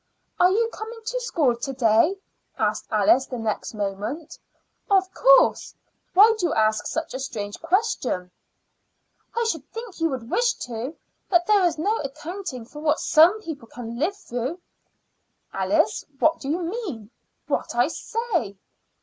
"Are you coming to school to day?" asked Alice the next moment. "Of course. Why do you ask such a strange question?" "I shouldn't think you would wish to; but there is no accounting for what some people can live through." "Alice, what do you mean?" "What I say."